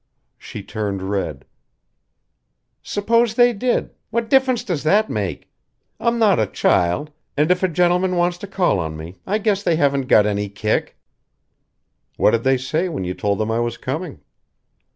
She turned red. "Suppose they did what difference does that make? I'm not a child and if a gentleman wants to call on me I guess they haven't got any kick." "What did they say when you told them I was coming?"